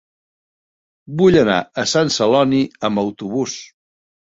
Vull anar a Sant Celoni amb autobús.